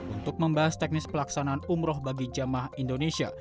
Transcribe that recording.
untuk membahas teknis pelaksanaan umroh bagi jamaah indonesia